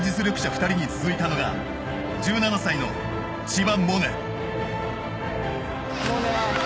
２人に続いたのが１７歳の千葉百音。